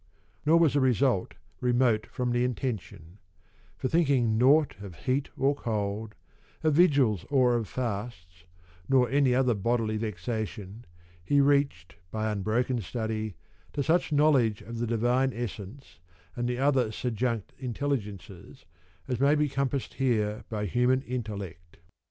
Nor was the result remote from the intention ; for thinking nought of heat or cold, of vigils or of fasts, nor any other bodily vexation, he reached by unbroken study to such knowledge of the Divine Essence and the other Sejunct Intelligences as may be compassed here by human intellect.